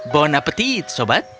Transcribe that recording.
selamat makan sahabat